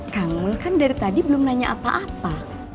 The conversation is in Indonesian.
kamu kan dari tadi belum nanya apa apa